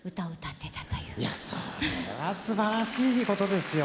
いやそれはすばらしいことですよ。